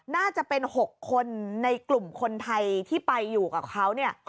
น่าจะเป็น๖คนในกลุ่มคนไทยที่ไปอยู่กับเขาเนี่ย